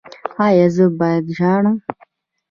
ایا زه باید ژاړم؟